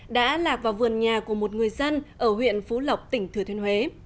đã lạc vào vườn nhà của một người dân ở huyện phú lộc tỉnh thừa thiên huế